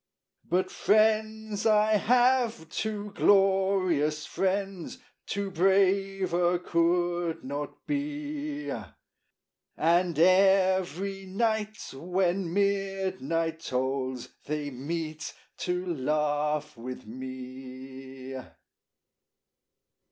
But friends I have, two glorious friends, Two braver could not be; And every night when midnight tolls They meet to laugh with me